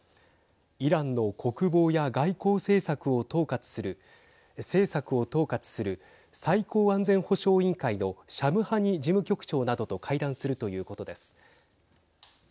イランの国防や外交政策を統括する最高安全保障委員会のシャムハニ事務局長などと会談するということです。